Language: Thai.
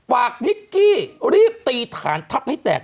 นิกกี้รีบตีฐานทับให้แตก